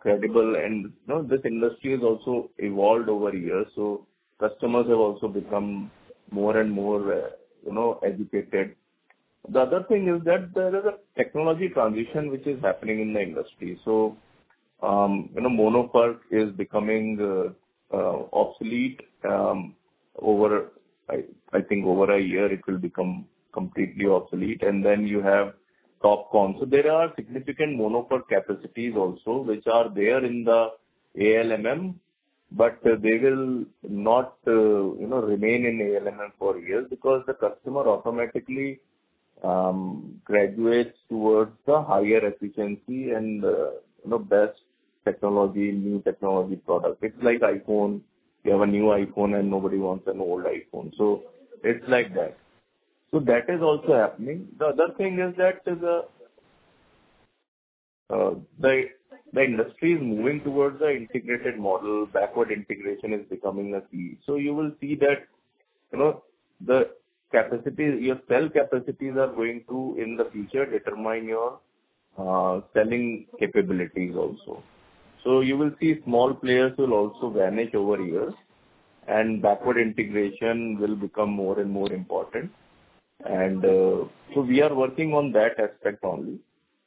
credible. And, you know, this industry has also evolved over years, so customers have also become more and more, you know, educated. The other thing is that there is a technology transition which is happening in the industry. So, you know, Mono PERC is becoming obsolete. Over, I think over 1 year it will become completely obsolete. And then you have TOPCon. So there are significant Mono PERC capacities also, which are there in the ALMM, but they will not, you know, remain in ALMM for years. Because the customer automatically graduates towards the higher efficiency and, you know, best technology, new technology product. It's like iPhone. You have a new iPhone, and nobody wants an old iPhone. So it's like that. So that is also happening. The other thing is that the industry is moving towards an integrated model. Backward integration is becoming a key. So you will see that, you know, the capacity, your cell capacities are going to, in the future, determine your selling capabilities also. So you will see small players will also vanish over years, and backward integration will become more and more important. And so we are working on that aspect only.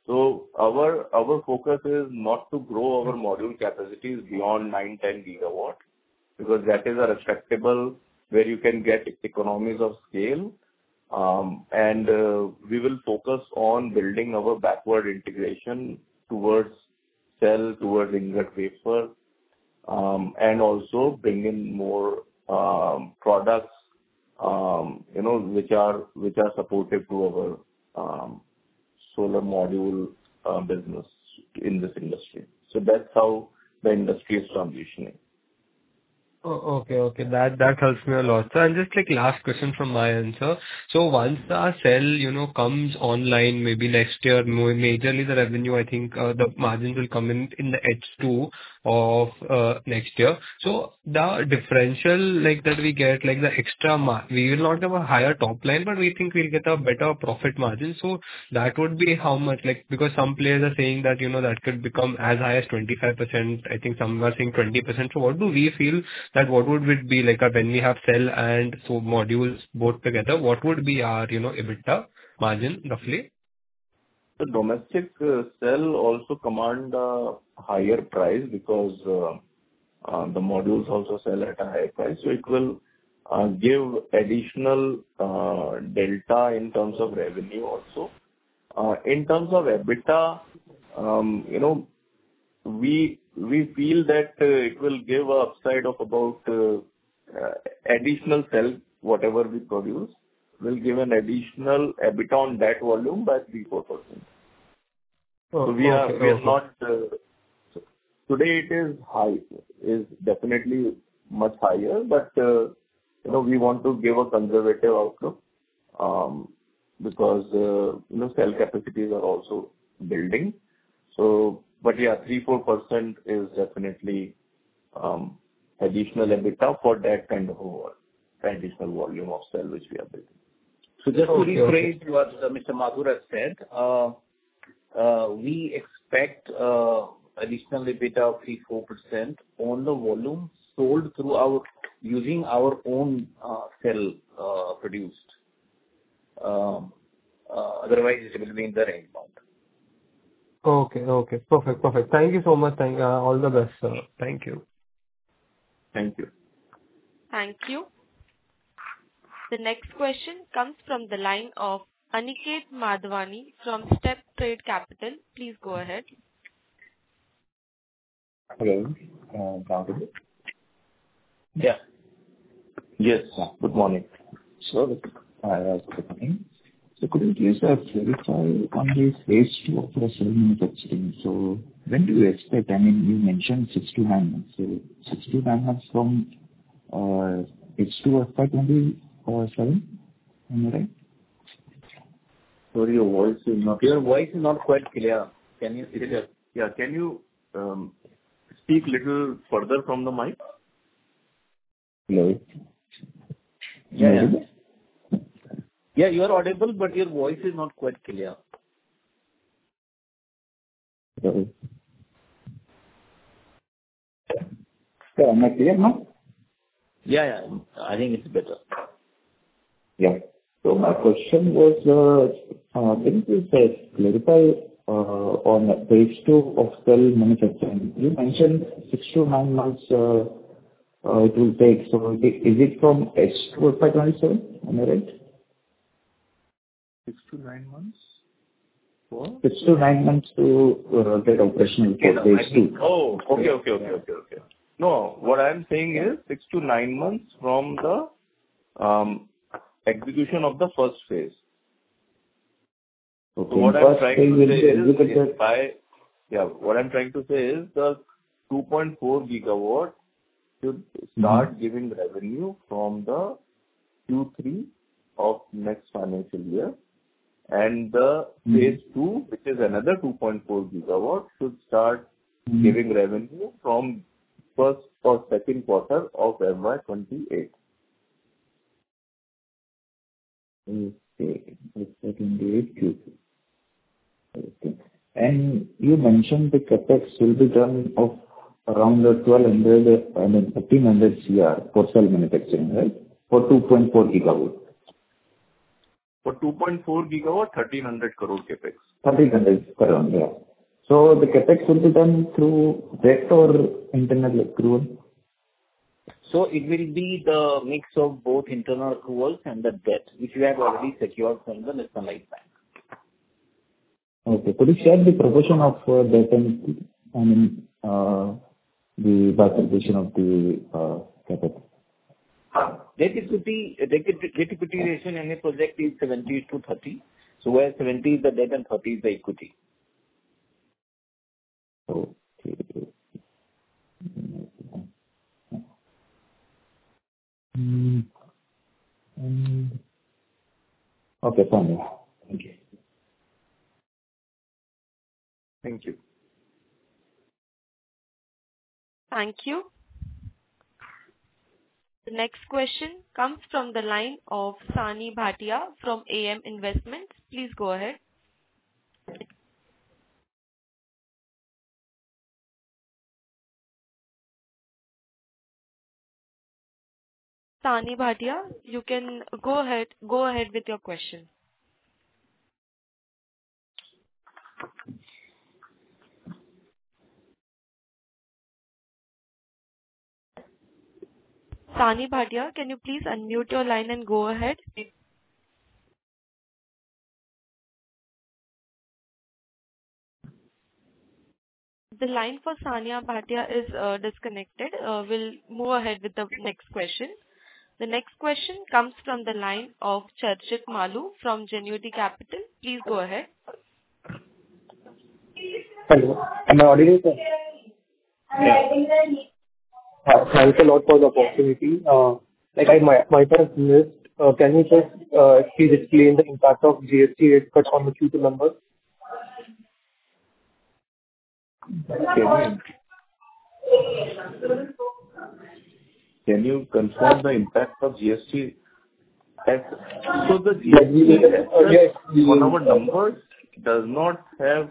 So our focus is not to grow our module capacities beyond nine, 10 GW, because that is a respectable, where you can get economies of scale. And we will focus on building our backward integration towards cell, towards ingot wafer, and also bring in more products, you know, which are supportive to our solar module business in this industry. So that's how the industry is transitioning. Oh, okay. That, that helps me a lot. So and just, like, last question from my end, sir. So once our cell, you know, comes online, maybe next year, majorly the revenue, I think, the margins will come in, in the H2 of, next year. So the differential like that we get, like the extra, we will not have a higher top line, but we think we'll get a better profit margin. So that would be how much? Like, because some players are saying that, you know, that could become as high as 25%. I think some are saying 20%. So what do we feel that what would it be like when we have cell and solar modules both together, what would be our, you know, EBITDA margin, roughly? The domestic sales also command a higher price because the modules also sell at a higher price. So it will give additional delta in terms of revenue also. In terms of EBITDA, you know, we feel that it will give an upside of about additional sales. Whatever we produce will give an additional EBIT on that volume by 3%-4%. So we are not, today, it is high, it is definitely much higher. But, you know, we want to give a conservative outlook, because, you know, cell capacities are also building. So but, yeah, 3%-4% is definitely additional EBITDA for that kind of additional volume of cell which we are building. So just to rephrase what Mr. Mathur has said, we expect additional EBITDA of 3%-4% on the volume sold through our, using our own self-produced. Otherwise it will be in the range bound. Okay. Perfect, perfect. Thank you so much. Thank you. All the best, sir. Thank you. Thank you. Thank you. The next question comes from the line of Aniket Madhwani from StepTrade Capital. Please go ahead. Hello, Yeah. Yes, good morning, sir. Good morning. So could you please clarify on the phase two of the selling testing? So when do you expect I mean, you mentioned 69, so 69 from H2 of FY 2027, am I right? Sorry, your voice is not clear. Your voice is not quite clear. Can you- Yah, can you speak little further from the mic? Hello. Yeah, you are audible, but your voice is not quite clear. Hello. Sir, am I clear now? Yeah. I think it's better. Yeah. So my question was, when you say pilot, on the phase two of cell manufacturing, you mentioned 6-9 months, it will take. So is it from H2 FY 2027, am I right? 6-9 months for? 6-9 months months to get operational for phase two. Oh, okay. No, what I'm saying is, 6-9 months from the execution of the first phase. Okay. So what I'm trying to say is by. Yeah, what I'm trying to say is the 2.4 GW should start giving revenue from the Q3 of next financial year. And the phase two, which is another 2.4 GW, should start giving revenue from first or second quarter of FY 2028. Okay, 2028 Q3. Okay. You mentioned the CapEx will be done of around 1,200, I mean, 1,300 crore for cell manufacturing, right? For 2.4 GW. For 2.4 GW, 1,300 crore CapEx. 1,300 crore, yeah. So the CapEx will be done through debt or internal growth? So it will be the mix of both internal growth and the debt, which we have already secured from the institutional bank. Okay. Could you share the proportion of debt and the participation of the CapEx? Debt-equity ratio in a project is 70 to 30. So where 70 is the debt and 30 is the equity. Okay, fine. Thank you. Thank you. The next question comes from the line of Sani Bhatia from AM Investments. Please go ahead. Sani Bhatia, you can go ahead, go ahead with your question. Sani Bhatia, can you please unmute your line and go ahead? The line for Sani Bhatia is disconnected. We'll move ahead with the next question. The next question comes from the line of Charchit Maloo from Genuity Capital. Please go ahead. Hello, am I audible, sir? Yeah. Thanks a lot for the opportunity. Like, my first is, can you just please explain the impact of GST rate cut on the future numbers? Can you confirm the impact of GST? So the GST on our numbers does not have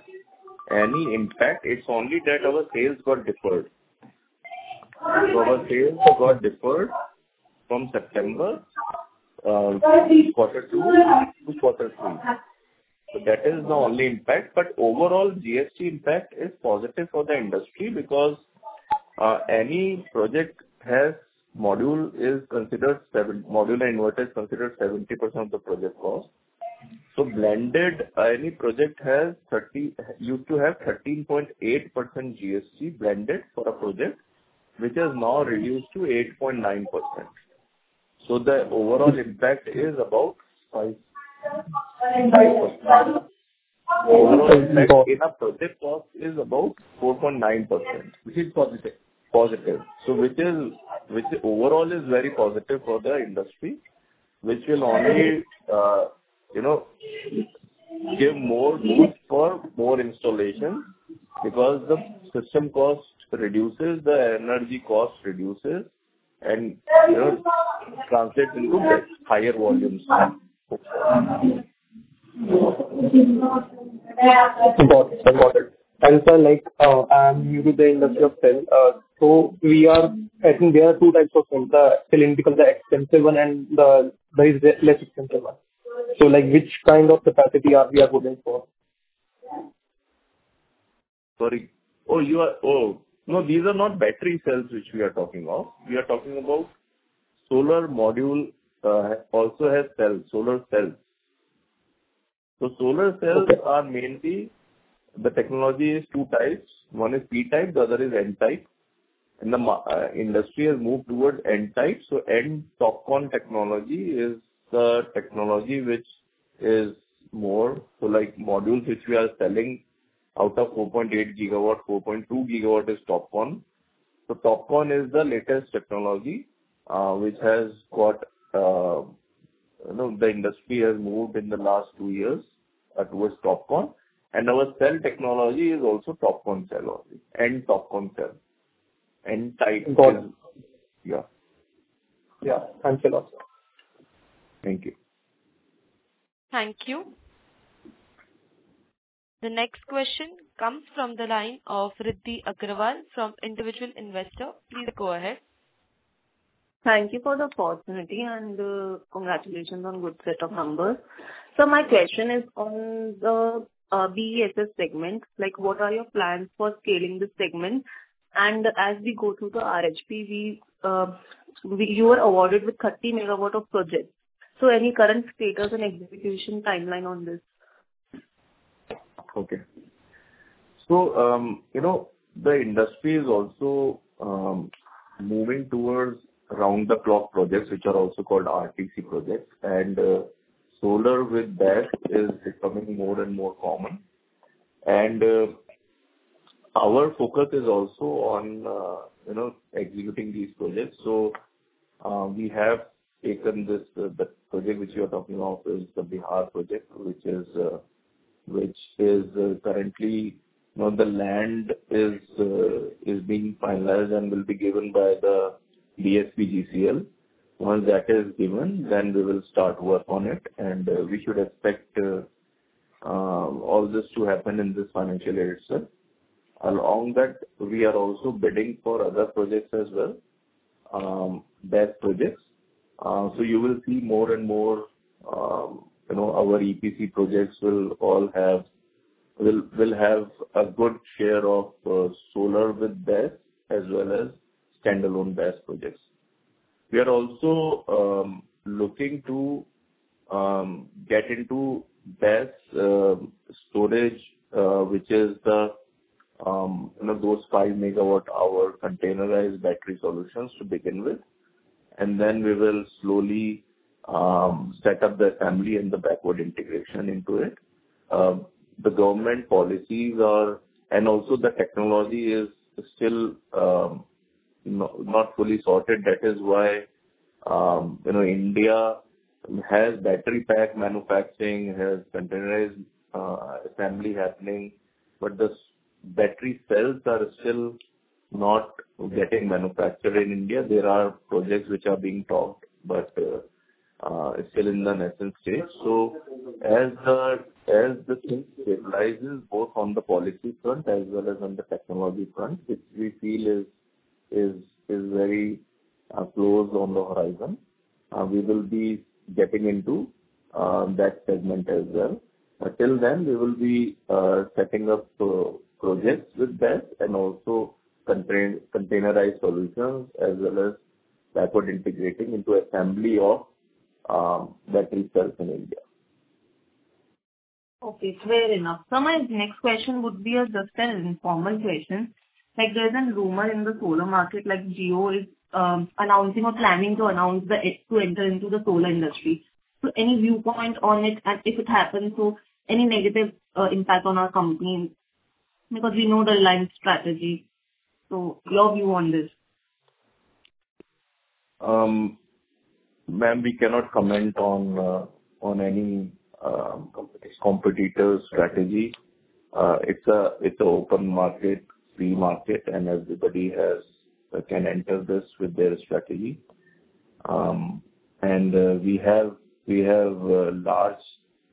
any impact. It's only that our sales got deferred. So our sales got deferred from September quarter two to quarter three. So that is the only impact. But overall, GST impact is positive for the industry, because any project has module is considered 70, module and inverter is considered 70% of the project cost. So blended, any project has 30, used to have 13.8% GST blended for a project, which has now reduced to 8.9%. So the overall impact is about 5.5%. Overall impact in a project cost is about 4.9%, which is positive, positive. So which is, which overall is very positive for the industry, which will only, you know, give more boost for more installation. Because the system cost reduces, the energy cost reduces, and, you know, translates into higher volumes. Got it. Sir, like, I'm new to the industry of cell. So, we are, I think there are two types of cells, the silicon, the expensive one, and the, the less expensive one. So, like, which kind of capacity are we holding for? Sorry. Oh, no, these are not battery cells which we are talking about. We are talking about solar module, also has cells, solar cells. So solar cells- are mainly, the technology is two types. One is P-type, the other is N-type, and the industry has moved towards N-type. So N-type TOPCon technology is the technology which is more. So like modules which we are selling, out of 4.8 GW, 4.2 GW is TOPCon. So TOPCon is the latest technology, which has got, you know, the industry has moved in the last two years towards TOPCon, and our cell technology is also TOPCon cell only, and TOPCon cell, and type. Got it. Yeah. Yeah. Thanks a lot, sir. Thank you. Thank you. The next question comes from the line of Riddhi Aggarwal from Individual Investor. Please go ahead. Thank you for the opportunity, and, congratulations on good set of numbers. So my question is on the, BESS segment. Like, what are your plans for scaling this segment? And as we go through the RHP, we, You were awarded with 30 MW of projects. So any current status and execution timeline on this? Okay. So, you know, the industry is also moving towards round-the-clock projects, which are also called RTC projects. And, solar with BESS is becoming more and more common. And, our focus is also on, you know, executing these projects. So, we have taken this, the project which you're talking of is the Bihar project, which is currently. You know, the land is being finalized and will be given by the BSPGCL. Once that is given, then we will start work on it, and, we should expect all this to happen in this financial year itself. Along that, we are also bidding for other projects as well, BESS projects. So you will see more and more, you know, our EPC projects will all have a good share of solar with BESS, as well as standalone BESS projects. We are also looking to get into BESS storage, which is, you know, those 5 MW hour containerized battery solutions to begin with, and then we will slowly set up the assembly and the backward integration into it. The government policies are, and also the technology is still not fully sorted. That is why, you know, India has battery pack manufacturing, has containerized assembly happening, but the battery cells are still not getting manufactured in India. There are projects which are being talked, but it's still in the nascent stage. So as the thing stabilizes both on the policy front as well as on the technology front, which we feel is very close on the horizon, we will be getting into that segment as well. But till then, we will be setting up projects with BESS and also containerized solutions, as well as backward integrating into assembly of battery cells in India. Okay, fair enough. So my next question would be just an informal question. Like, there's a rumor in the solar market, like Jha is announcing or planning to announce the, it to enter into the solar industry. So any viewpoint on it, and if it happens, so any negative impact on our company? Because we know the line strategy, so your view on this. Ma'am, we cannot comment on any, competitors competitor's strategy. It's an open market, free market, and everybody can enter this with their strategy. And we have large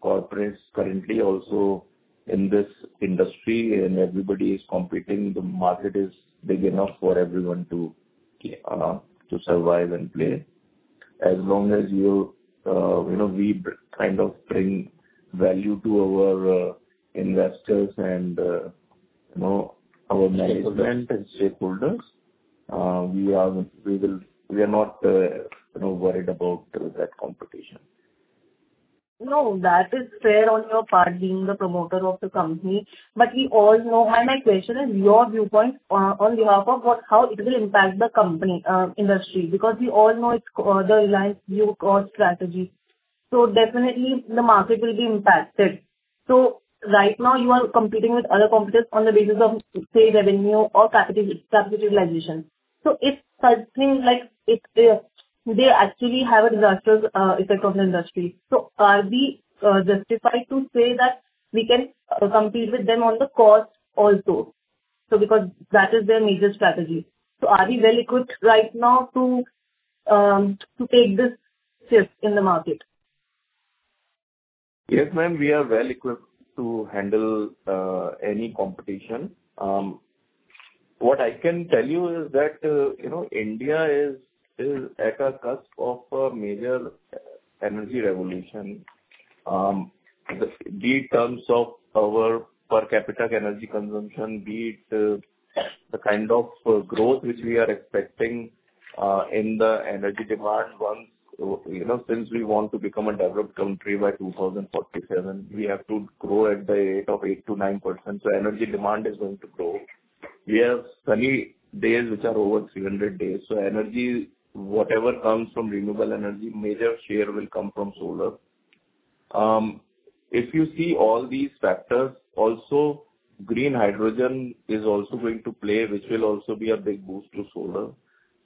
corporates currently also in this industry, and everybody is competing. The market is big enough for everyone to survive and play. As long as you know we kind of bring value to our investors and you know our management and stakeholders, we are. We are not you know worried about that competition. No, that is fair on your part, being the promoter of the company. But we all know, and my question is your viewpoint on behalf of how it will impact the company, industry. Because we all know it's the long view or strategy. So definitely the market will be impacted. So right now you are competing with other competitors on the basis of, say, revenue or market capitalization. So if such things like it, they actually have a disastrous effect on the industry, so are we justified to say that we can compete with them on cost also? So because that is their major strategy. So are we well-equipped right now to take this shift in the market? Yes, ma'am, we are well-equipped to handle any competition. What I can tell you is that, you know, India is at a cusp of a major energy revolution. Be it terms of our per capita energy consumption, be it the kind of growth which we are expecting in the energy demand once, you know, since we want to become a developed country by 2047, we have to grow at the rate of 8%-9%, so energy demand is going to grow. We have sunny days, which are over 300 days, so energy, whatever comes from renewable energy, major share will come from solar. If you see all these factors, also, green hydrogen is also going to play, which will also be a big boost to solar.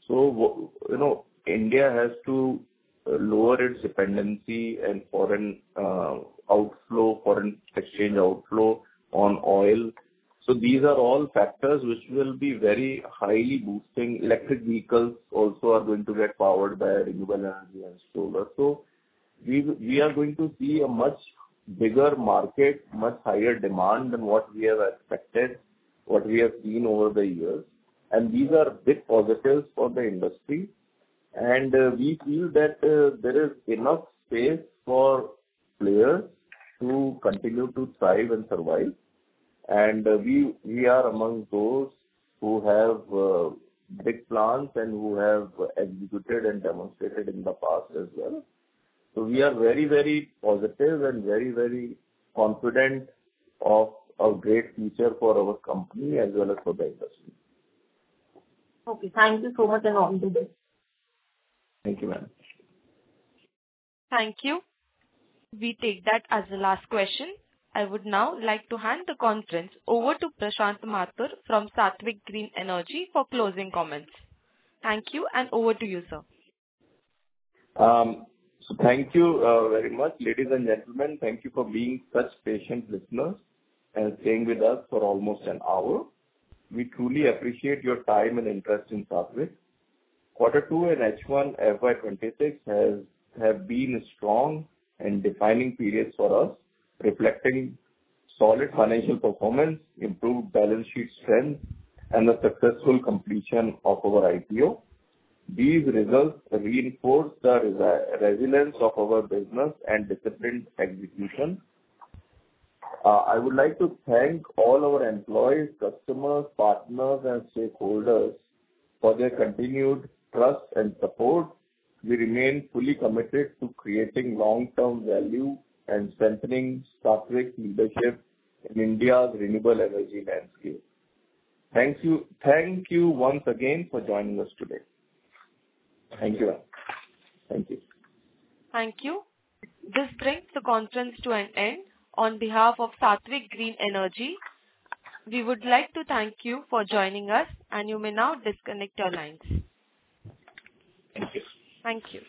So you know, India has to lower its dependency and foreign, outflow, foreign exchange outflow on oil. So these are all factors which will be very highly boosting. Electric vehicles also are going to get powered by renewable energy and solar. So we are going to see a much bigger market, much higher demand than what we have expected, what we have seen over the years, and these are big positives for the industry. And we feel that there is enough space for players to continue to thrive and survive. And we are among those who have big plans and who have executed and demonstrated in the past as well. So we are very, very positive and very, very confident of a great future for our company as well as for the industry. Okay. Thank you so much, and all the best. Thank you, ma'am. Thank you. We take that as the last question. I would now like to hand the conference over to Prashant Mathur from Saatvik Green Energy for closing comments. Thank you, and over to you, sir. Thank you very much. Ladies and gentlemen, thank you for being such patient listeners and staying with us for almost an hour. We truly appreciate your time and interest in Saatvik. Quarter 2 and H1 FY 2026 has, have been strong, defining periods for us, reflecting solid financial performance, improved balance sheet strength, and the successful completion of our IPO. These results reinforce the resilience of our business and disciplined execution. I would like to thank all our employees, customers, partners, and stakeholders for their continued trust and support. We remain fully committed to creating long-term value and strengthening Saatvik's leadership in India's renewable energy landscape. Thank you. Thank you once again for joining us today. Thank you, all. Thank you. Thank you. This brings the conference to an end. On behalf of Saatvik Green Energy, we would like to thank you for joining us, and you may now disconnect your lines. Thank you.